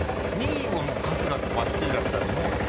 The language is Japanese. ２位ももう春日とバッチリだったらもうね。